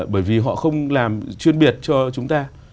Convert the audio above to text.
bởi vì họ không làm chuyên biệt cho chúng ta